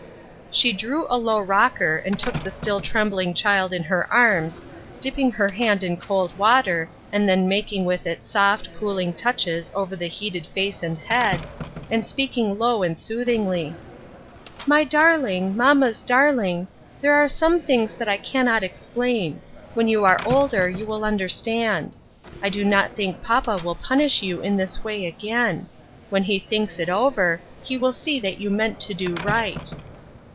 She drew a low rocker and took the still trem bling child in her arms, dipping her hand in cold water, and then making with it soft, cooling touches over the heated face and head, and speaking low and soothingly :—" My darling, mamma's darling, there are some things that I cannot explain ; when you are older you will understand. I do not think papa will punish you in this way again. When he thinks it over, he will see that you meant to do right."